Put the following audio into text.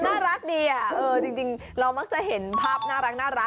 น่ารักดีอ่ะเออจริงจริงเรามักจะเห็นภาพน่ารักน่ารัก